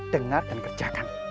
dengar dan kerjakan